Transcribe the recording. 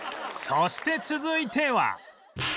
そして続いては